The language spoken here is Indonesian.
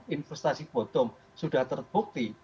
investasi potong sudah terbukti